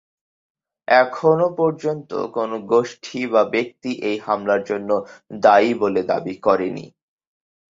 এখনও পর্যন্ত কোনও গোষ্ঠী বা ব্যক্তি এই হামলার জন্য দায়ী বলে দাবি করেনি।